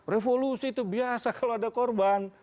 revolusi itu biasa kalau ada korban